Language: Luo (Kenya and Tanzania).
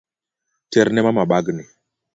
Terne mama bagni